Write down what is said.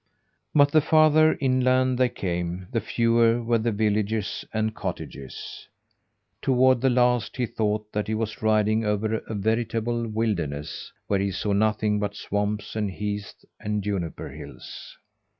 But the farther inland they came, the fewer were the villages and cottages. Toward the last, he thought that he was riding over a veritable wilderness where he saw nothing but swamps and heaths and juniper hills.